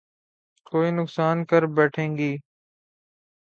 کوئی نقصان کر بیٹھیں گے